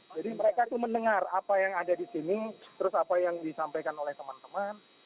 jadi mereka itu mendengar apa yang ada di sini terus apa yang disampaikan oleh teman teman